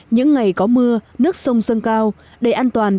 những ngày có mưa nước sông dâng cao